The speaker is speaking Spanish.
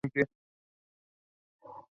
La interpreta, la cumple y la hace cumplir.